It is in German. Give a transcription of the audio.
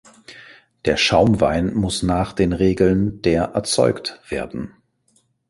Der Schaumwein muss nach den Regeln der erzeugt werden.